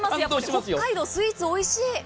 北海道、スイーツおいしい。